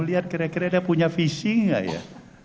mau lihat kira kira dia punya visi gak ya